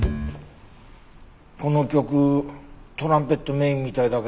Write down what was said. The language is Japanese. この曲トランペットメインみたいだけど。